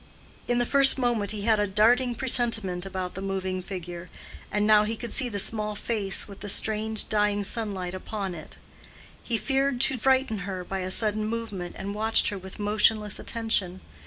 In the first moment he had a darting presentiment about the moving figure; and now he could see the small face with the strange dying sunlight upon it. He feared to frighten her by a sudden movement, and watched her with motionless attention.